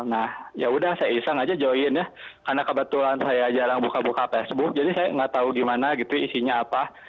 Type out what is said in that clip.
nah yaudah saya iseng aja join ya karena kebetulan saya jarang buka buka facebook jadi saya nggak tahu di mana gitu isinya apa